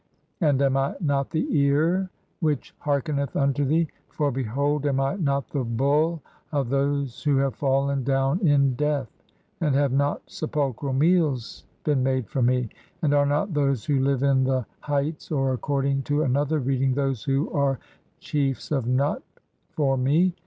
And am I not the ear which "hearkeneth unto [thee] ? For, behold, am I not the bull of those "who have fallen down in death? And have not sepulchral meals "[been made] for me? (8) And are not those who live in the "heights," or according to another reading, "those who are chiefs "of Nut, for me